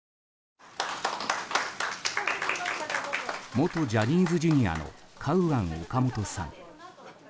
元ジャニーズＪｒ．のカウアン・オカモトさん。